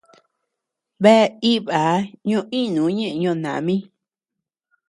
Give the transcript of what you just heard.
Bea íbaa ño-ínuu ñeʼë Ñoo nami.